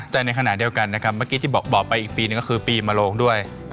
แต่ในขณะเดียวกันนะครับเมื่อกี้ที่บอกไปอีกปีหนึ่งก็คือปีมะโลงด้วย